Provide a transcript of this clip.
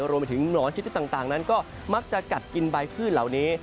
รวมไปถึงหนอนชิ้นต่างนั้นก็มักจะกัดกินใบพืชเหล่านี้